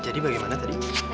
jadi bagaimana tadi bu